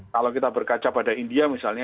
kalau kita berkaca pada india misalnya